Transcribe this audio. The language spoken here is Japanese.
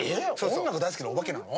音楽大好きなおばなの？